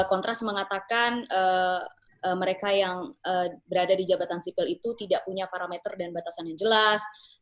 kontras mengatakan mereka yang berada di jabatan sipil itu tidak punya parameter dan batasan yang jelas